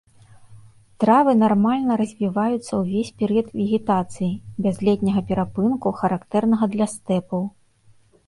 Травы нармальна развіваюцца ўвесь перыяд вегетацыі, без летняга перапынку, характэрнага для стэпаў.